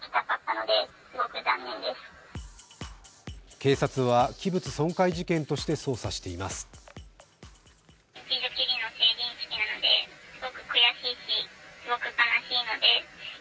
警察は器物損壊事件として捜査しています。